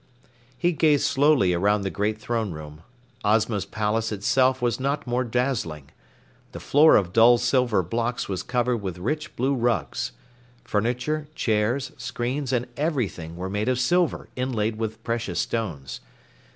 He gazed slowly around the great throne room. Ozma's palace itself was not more dazzling. The floor of dull silver blocks was covered with rich blue rugs. Furniture, chairs, screens and everything were made of silver inlaid with precious stones.